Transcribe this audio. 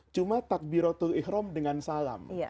cuma takbiratul ikhrom dengan salam